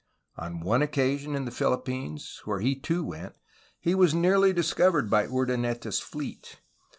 On one occasion in the Philippines, where he too went, he was nearly discovered by Urdaneta's fleet.